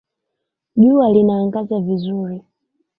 Jua linaangaza vizuri